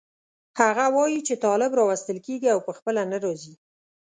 هغه وایي چې طالب راوستل کېږي او په خپله نه راځي.